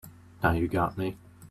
Now you got me.